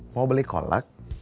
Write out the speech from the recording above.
mau beli kolek